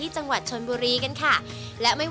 จิตย่า